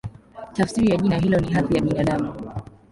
Tafsiri ya jina hilo ni "Hadhi ya Binadamu".